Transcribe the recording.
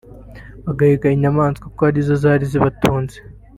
bagahiga inyamaswa kuko ari zo zari zibatunze